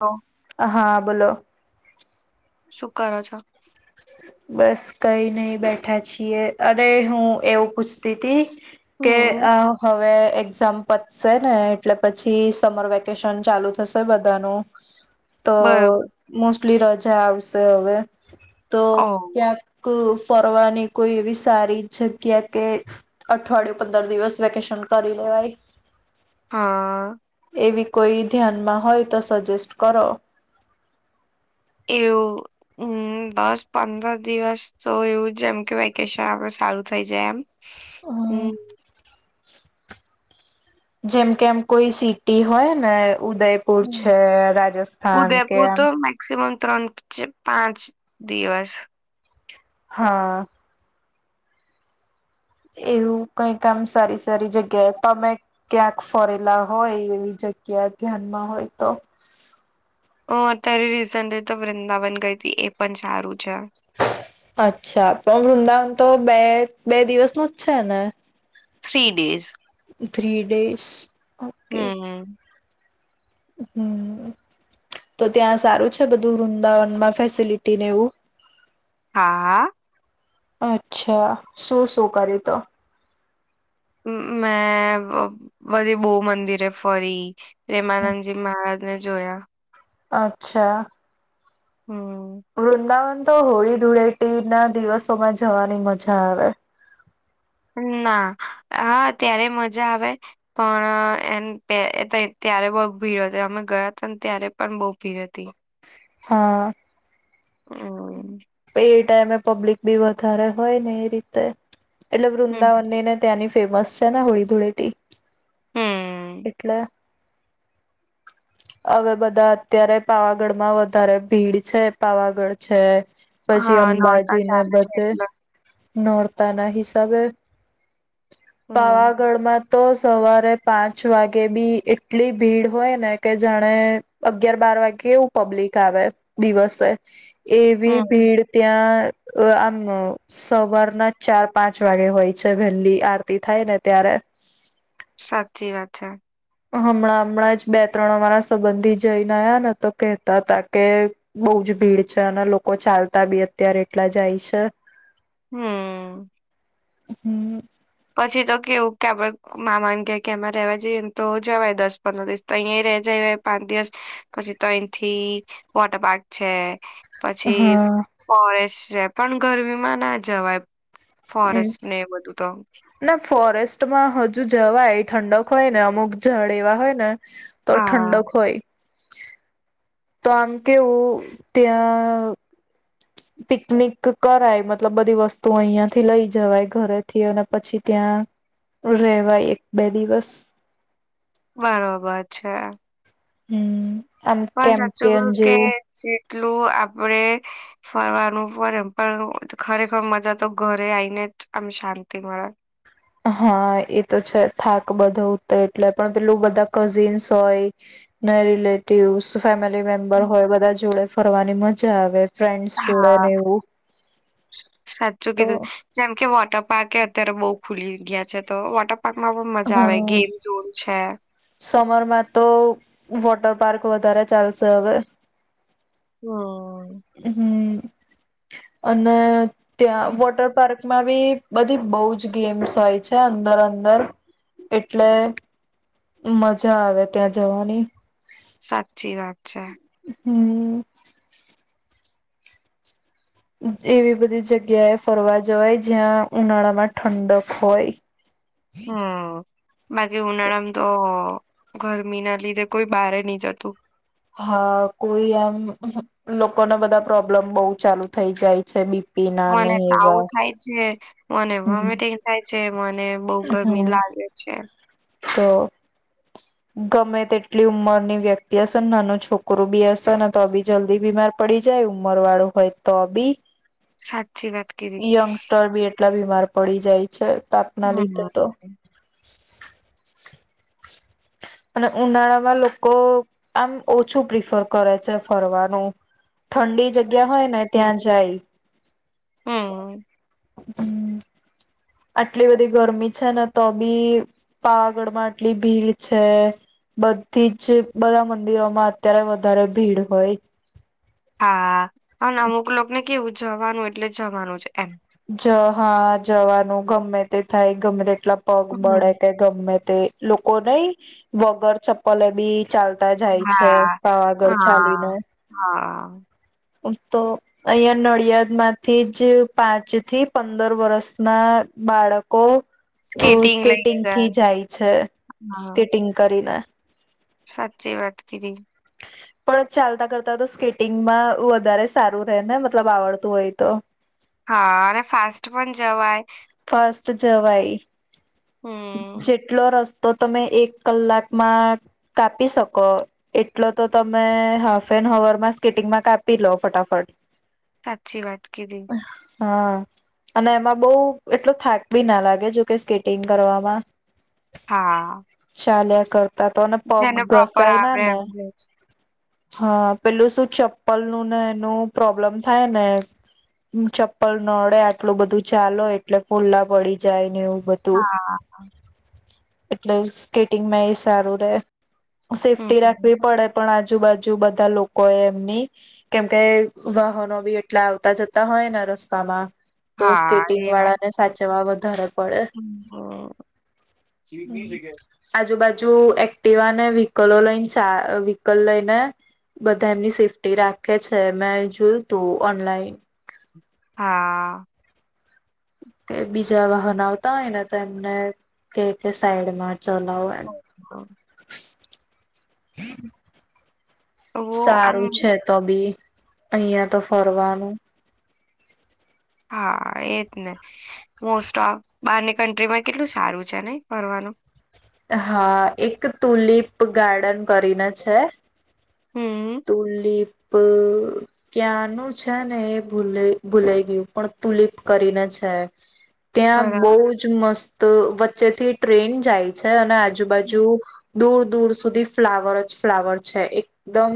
તો હા બોલો શું કરો છો બસ કઈ નઈ બેઠા છીએ અરે હું એવું પૂછતી હતી કે હમ્મ. આ હવે એક્ઝામ પચશે ને એટલે પછી સમર વેકેશન ચાલુ થશે બધાનું તો બરોબર મોસ્ટલી રજા સે હવે તો. ઓ [unintelligible] ક્યાક. [unintelligible] ફરવાની કોઈ એવી સારી જગ્યા કે અઠવાડિયું પંદર દિવસ વેકેશન કરી લેવાય. હા. [unintelligible] એવી કોઈ ધ્યાનમાં હોય તો સજેસ્ટ કરો. એ હમ દસ પંદર દિવસ તો એવું જ એમ કે વેકેશન આપણું સારું થઇ જાય એમ. હમ. [unintelligible] જેમ કેમ કોઈ સીટી હોય ને ઉદયપુર હમ્મ. છે રાજસ્થાન કેમ. ત્રણચ પાંચ દિવસ. હા. એવું કઈક આામ સારી સારી જગ્યાએ તમે ક્યાંક ફરેલા હોય એવી જગ્યા ધ્યાનમાં હોય તો. ઓ અત્યારે રીઝન તો વૃંદાવન ગઈ હતી એ પણ સારું છે. અચ્છા પણ વૃંદાવન તો બે બે દિવસ ન જ છે ને. Three days. Three days. હું હમ તો ત્યાં સારું છે બધું વૃંદાવનમાં ફેસિલિટીને એવું. હા હા. અચ્છા શું શું કરે તો. મેં બધી બહ મંદિર ફરી. પ્રેમાનંદજી મહજ. ને જોયા. અચ્છા. હમ્મ. વૃંદાવન. તો હોળી ધૂળેટી ના દિવસોમાં જવાની મજા આવે. ના હા ત્યારે મજા આવે પણ એ ત્યારે બહ ભીડ હતી અમે ગયા હતા ને ત્યારે પણ બહુ ભીડ હતી. હા. હમ એ ટાઈમે પબ્લિક બી વધારે હોય ને એ રીતે. એટલબ હમ વૃંદાવનનેને ત્યાંની. ફેમસ છે ને હોળી ધુળેટીી. હમ એટલે. હવે બધા અત્યારે પાવાગઢ માં વધારે ભીડ છે પાવાગઢ છે. પછી હા નોરતા અંબાજીને ચાલે છે બધે એટલે નોર્. તના હિસાબે. હમ પાવાગઢમાં. તો સવારે પાંચ વાગે બી એટલી ભીડ હોય ને. કે જાણે અગિયાર બાર વાગે એવું પબ્લિક આવે દિવસે. એવી હમ ભીડ ત્યાં. આમ સવારના ચાર પાંચ વાગે હોય છે વહેલી આરતી થાય ને ત્યારે. સાચી વાત છે. હમણાં હમણાં જ બે ત્રણ વારા સંબંધી જઈને્યા ને તો કેહતા હતા કે બહુ જ ભીડ છે અને લોકો ચાલતા બી અત્યારે એટલા જાય છે. હહું હમ. પછી તો કેવું કે આપડ મા ન કે કે એમાં રેવા જઈએને તો જવાય દસ પંદર દિવસ તો અહીં રે જાય પાંચ દિવસ પછી તોહીથી વોટર પાર્ક છે. પછી હા ફોરેસ્ટ. છે પણ ગરમી માં ના જવાય. ફોરેસ્ટ ને બધું તો. ના ફોરેસ્ટમાં હજુ જવાય ઠંડક હોય ને અમુક જળ એવા હોય ને તો હા ઠંડક હોય તો આમ કેવું ત્યાં પિકનિક કરાય મતલબ બધી વસ્તુ અહિયાયાંથી લઈ જવાય ઘરેથી અને પછી ત્યાં રહેવાય એક બે દિવસ બરોબર છે હમ આમ પણ સાચું કું કેમ્પિયન કે જેવું જેટલું આપે ફરવાનું પડેમ પણ ખરેખર મજા તો ઘરે આવીને જ અ શાંતિ મળે હા એ તો છે થાક બધું ઉતર એટલે પણ પેલું બધા કઝિન્સ હોય ને રિલેટિવસ ફેમિલી મેમ્બર હમ. હોય બધા જોડે ફરવાની મજા આવે ફ્રેન્ડ્સ જોડે ને હા એવું સાચું તો કીધું જેમ કે વોટર પાકે અત્યારે બઉુ ખુલી ગયા છે તો વટ હમ સમરમાં તો વોટર પાર્ક વગરા ચાલશેવે હ હમ અને ત્યાં વોટર પાર્કમાં બી બધી બહુ જ ગેમ્સ હોય છે અંદર અંદર એટલે મજા આવે ત્યાં જવાની સાચી વાત છે હમ એવી બધી જગ્યાએ ફરવા જવાય જ્યાં ઉનાળા માં ઠંડક હોય હમ બાકી હુળમ તો ગરમી ના લીધે કોઈ બારે નહી જતું હા કોઈ આમ લોકોને બધા પ્રોબ્લેમ બહુ ચાલુ થઈ જાય છે બી મને તો આવું થાય છે મને મ હમ થાય છે મને બહ ગરમી હા લાગે છે તો ગમે તેટલી ઉંમરની વ્યક્તિ હશે ને નાનું છોકરું બી હશે ને તો બી જલ્દી બીમાર પડી જાય ઉંમર વાળું હોય તો બી સાત યંગસ્ટર બી એ કેટલા બીમાર પડી જાય છે તપના લીધે હમ્મ. તો અને ઉનાળામાં લોકો આમ ઓછું પ્રિફર કરે છે ફરવાનું ઠંડી જગ્યા હોય સાચું ને કીધું. ત્યાં જાય હમ્મ. હ હમ આટલી બધી ગરમી છે ને તો બી પાવાગઢમાં આટલી ભીડ છે બધી જ બધા મંદિરોમાં અત્યારે વધારે ભીડ હોય હા પણ અમુક લોકોને કેવું જવાનું એટલે જવાનું છે એમ જ હા જવાનું ગમે તે થાય ગમે એટલા પગ મળળે હમ્મ. કે ગમે લોકોક નઈ વગર ચપલે બી ચાલતા જાય છે હા. પાવાગઢ ચાલીને હ તો અહં નડિયાદ માંથી જ પાંચ થી પંદર વરષ ના બાળકો લઈને સ્કેટિંગ થી ગયા. જાય છે હા. સ્કેટિંગ કરીને સાચી વાત કીઘી પણ ચાલતા કરતા તો સ્કેટિંગમાં વધારે સારું રહે ને મતલબ આવડતું હોય તો હા અને ફાસ્ટ પણ જવાય તો જવાય હમ્મ. જેટલો રસ્તો તો તમે એક કલાકમાં કાપી શકો એટલો તો તમે હાફ એન હવરમાં સ્કીટિંગમાં કાપી લો ફટાફટ સાચી વાત કીધી. હા અને એમાં બહુ એટલો થાક બી ના લાગે જોકે સ્કેટિંગ કરવામાં હા. ત તોને પગ જેને પ્રોપર ઘસાય ના આવડે ને એમને જ. હા પેલું શું ચપ્પલ નું ને એનું પ્રોબ્લમ થાય ને ચપ્પલ નડે આટલું બધું ચાલો એટલે ફૂલ્લા પડી જાય ને એવું બધું હા હા, એટલે સ્કેટિંગમાં એ સારું રહેે સેફ્ટી હમ્મ. રાખવી પડે પણ આજે આજુબાજુ બધા લોકો એ એમની કેમકે વાહનો બી એટલા આવતા જતા હોય ને રસ્તામાં તો હા સ્કેટિંગ એ વાત વાળા છે. સાચવા વધારે પડે હમ. હા આજુબાજુ એક્ટિવાને વ્હીકલો લઈને ચા વ્હીકલ લઈને બધા એમની સેફ્ટી રાખે છે, મેં જોયું તું ઓનલાઈન હા. કે બીજા વાહન આવતા હોય ને તો એમને કહે સાઈડમાં હમ, હા. હ. તો આમ સારું છે. તો બી અહં તો ફરવાનું હા, એજ ને મોસ્ટ ઓફ બારની કન્ટ્રીમાં કેટલું સારું છે, નને ફરનું હા એક તુલિપ ગાર્ડન કરીને છે. હમ તુલીપ ક્યાંનું છે ને એ ભૂ ભૂલાઈ ગયું પણ તુલીપ કરીને છે. ત્યાં બહુ બરાબર જ મસ્ત તો વચ્ચે થી ટ્રેન જાય છે અને આ આજુબાજુ દૂર દૂર સુધી ફ્લાવર જ ફ્લાવર છે. એક એકદમ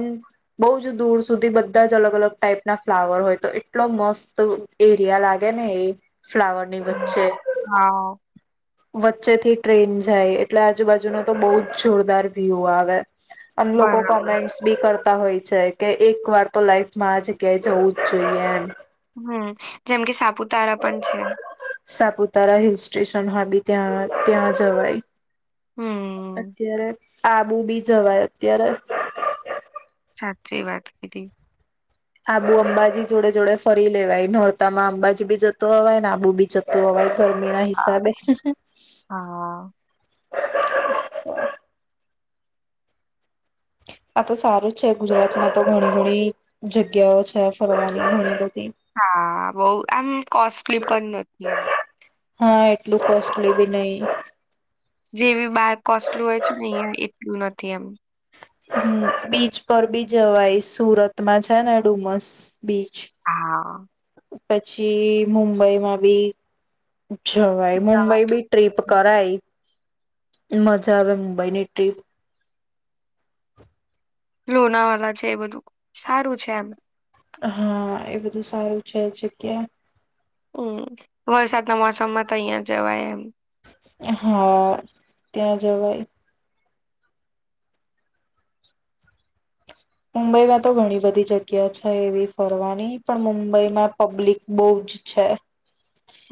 બહુ જ દૂર સુધી બધા જ અલગ અલગ ટાઈપ ના ફ્લાવર હોય, તો એટલો મસ્ત એરિયા લાગે ને એ. ફ્લાવર ની વચ્ચે. હા વચ્ચેથી ટ્રેન જાય એટલે આજુબાજુનો તો બહુ જ જોરદાર વ્યુ આવે. અને લોકો બરાબર કૉમેન્ટ્સ કરતા હોય છે, કે એક વાર તો લાઈફમાં આ જગ્યાએ જવું જ જોઈએ. હમ જેમ કે સાપુતારા પણ છે. સાપુતારા હિલ સ્ટેશન હ બી ત્યાં ત્યાં જવાય. હમ અત્યારે આબુ બી જવાય અત્યારે. સાચી વાત કીધી. આબુ અંબાજી જોડે જોડે ફરી લેવાય નોરતામાં અંબાજી બી જતું અવાય ને આબુ બી જતું અવાય. ગરમી ના હા હિસાબે હા આ તો સારું જ છે ગુજરાતમાં તો ઘણી ઘણી જગ્યાઓ છે ફરવાની ઘણી બઘી હા બો એમ કોસ્ટલી પણ નથી એમ. હા એટલું કોસ્ટલી બી નઈ જેવી બાર કોસ્ટલુ હોય છે ને અહિયાં એટલું નથી એમ. હમ્મ બીચ પર બી જવાય સુરતમાં છે ને ડુમસ. બીચ હા. પછી મુંબઈમાં બી જવાય મુંબઈ જવાય. બી ટ્રીપ કરાય. મજા આવે મુંબઈની ટ્રીપ લોનાવલા છે એ બધું સારું છે એમ. હા એ બધું સારું છે જગ્યા. હમ્મ વરસાદના મૌસમમાં તો અહિયાં જવાય એમ. હા ત્યાં જવાય. મુંબઈમાં તો ઘણી બધી જગ્યા છે એવી ફરવાની પણ મુંબઈમાં પબ્લિક બહુ જ છે.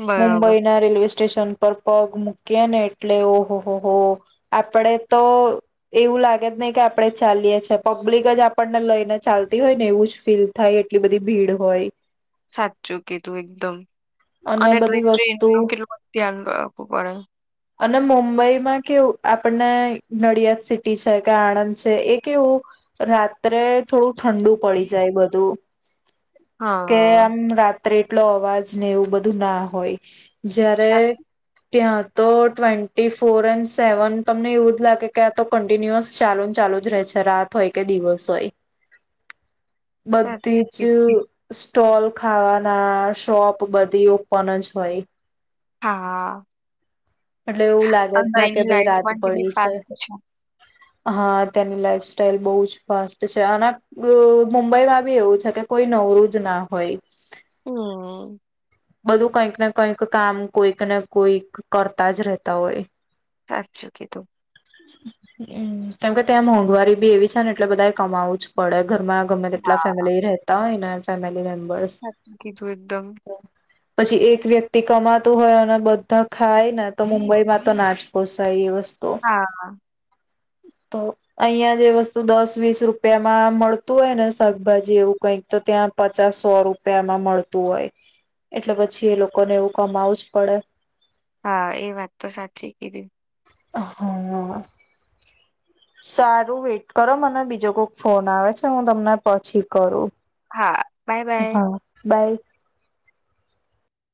બરાબર મુંબઈ ના રેલવે સ્ટેશન પર પગ મૂકીએ ને એટલે ઓહો હો હો આપડે તો એવું લાગે જ નહી કે આપડે ચાલીએ છેએ પબ્લિક જ આપ આપણને લઈ ને ચાલતી હોય ને એવું જ ફીલ થાય એટલી બધી ભીડ હોય. સાચ્ચું કીધું એકદમ. અને તું બધી એક ટ્રેન વસ્તુ નુ કેટલું બધું ધ્યાન રાખવું પડે. અને મુંબઈમાં કેવું આપણને નડિયાદ સિટી છે કે આણંદ છે એ કેવું રાત્રે થોડું ઠંડુ પડી જાય બધું કે હા આમ રાત ત્રટલો અવાજ. ને એવું બધું ના હોય. જ્યારે સાચ ત્યાં તો ટ્વેન્ટી ફોર એન્ડ સેવન તમને એવું જ લાગે કે આ તો કન્ટિન્યુઅસ ચાલુ ચાલુ જ રહે છે રાત હોય કે દિવસ હોય બધી જ અ સ્ટોલ ખાવાના શોપ બધી ઓપણન જ હોય હા એટલે એવું લાગે જ ના કે અંદરની ભઈ લાઈફ રાત પણ કેટલી પડી છે ફાસ્ટ હા તેની લાઈફ સ્ટાઈલ બહુ જ ફાસ્ટ છે અને મુંબઈમાં બી એવું છે કે કોઈ નવરું જ ના હોય. હમ્મ બધું કંઈક ને કંઈક કામ કોઈક ને કોઈક કરતા જ રહેતા હોય. સાચું કીધું. હમ્મ, કેમકે ત્યાં મોંઘવારી બી એવી છે ને એટલે બધાએ કમાવું જ પડે. ઘરમાં ગમે તેટલા ફેમિલી રહેતા હોય ને ફેમેલી [inaudible] હાચુ કીધું એકદમ. પછી એક વ્યક્તિ કમાતું હોય અને બધા ખાય ને તો મુંબઈમાં તો ના જ પોસાય એ વસ્ હા. તો અહિયાં જે વસ્તુ દસ વીસ રૂપિયામાં મળતું હોય ને શાકભાજી એવું કઈક તો ત્યાં પચાસ સો રૂપિયામાં મળતું હોય. એટલે પછી એ લોકોને એવું કમાવું જ પડે. હા, એ વાત તો સાચી કીધી. અ હા. સારું વેટ કરો. મને બીજો કોક ફોન આવે છે હું તમને પછી કરું. હા, બાય, બાય. હા બાય